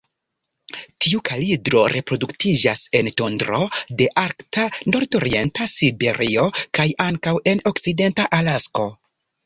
Tiu kalidro reproduktiĝas en tundro de arkta nordorienta Siberio kaj ankaŭ en okcidenta Alasko.